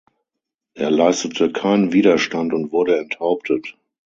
Er leistete keinen Widerstand und wurde enthauptet.